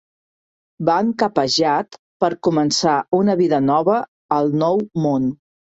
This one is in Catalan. Van cap a Jadd per començar una vida nova al nou món.